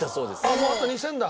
もうあと２０００だ。